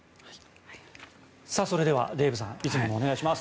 それでは、デーブさんいつものお願いします。